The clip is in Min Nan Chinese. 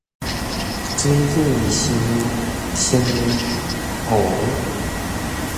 水鬼升城隍